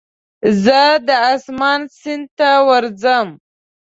زه د اسمان سیند ته ورځمه